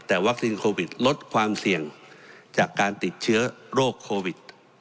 แต่วัคซีนโควิดลดความเสี่ยงจากการติดเชื้อโรคโควิด